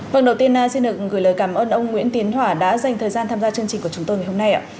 vâng đầu tiên xin được gửi lời cảm ơn ông nguyễn tiến thỏa đã dành thời gian tham gia chương trình của chúng tôi ngày hôm nay